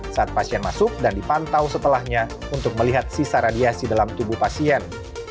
saat pasien masuk dan dipantau setelahnya untuk melihat sisa radiasi dalam tubuh pasien